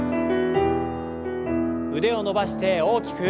腕を伸ばして大きく。